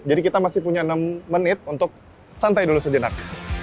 jadi kita masih punya enam menit untuk santai dulu sejenak